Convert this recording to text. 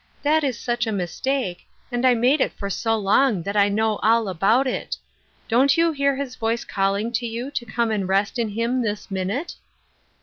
That is such a mistake, and I made it for so long that I know all about it. Don't you hear his voice calling to you to come and re 8t in him this minute